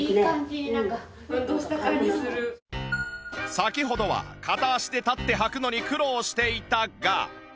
先ほどは片足で立ってはくのに苦労していたが